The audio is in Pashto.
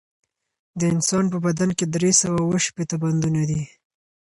د انسان په بدن کښي درې سوه او شپېته بندونه دي